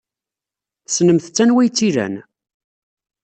Tessnemt-tt anwa ay tt-ilan?